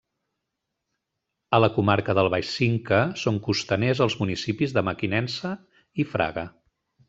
A la comarca del Baix Cinca són costaners els municipis de Mequinensa i Fraga.